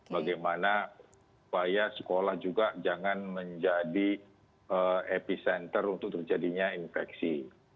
bagaimana supaya sekolah juga jangan menjadi epicenter untuk terjadinya infeksi